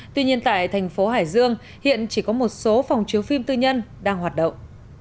tuy nhiên tại thành phố hải dương hiện chỉ có một số phòng chiếu phim tư nhân đang hoạt động